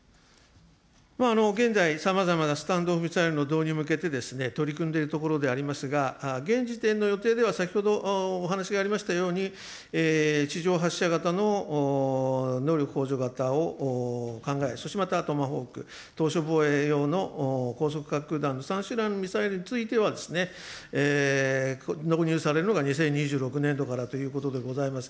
現在、さまざまなスタンド・オフ・ミサイルの導入に向けて、取り組んでいるところでありますが、現時点の予定では、先ほどお話がありましたように、地上発射型の能力向上型を考え、そしてまたトマホーク、島しょ防衛用の高速滑空弾の３種類のミサイルについては、納入されるのが２０２６年度からということでございます。